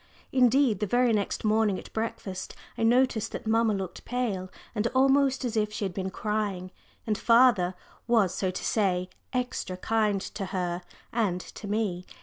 Indeed, the very next morning at breakfast I noticed that mamma looked pale and almost as if she had been crying, and father was, so to say, "extra" kind to her and to me.